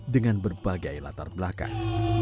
dengan berbagai latar belakang